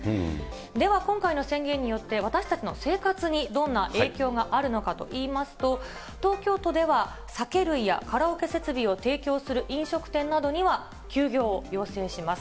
では今回の宣言によって、私たちの生活にどんな影響があるのかといいますと、東京都では酒類やカラオケ設備を提供する飲食店などには、休業を要請します。